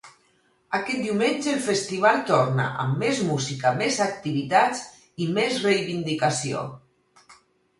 Aquest diumenge el festival torna amb més música, més activitats i més reivindicació.